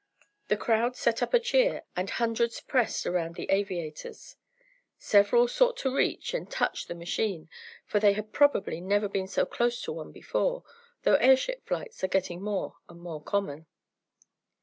The crowd set up a cheer, and hundreds pressed around the aviators. Several sought to reach, and touch the machine, for they had probably never been so close to one before, though airship flights are getting more and more common.